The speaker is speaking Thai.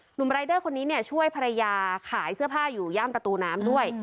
หนุ่มรายเดอร์คนนี้เนี่ยช่วยภรรยาขายเสื้อผ้าอยู่ย่ามประตูน้ำด้วย